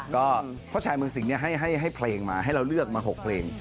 ก็เพราะชายเมืองสิงห์ให้เพลงมาให้เราเลือกมา๖เพลง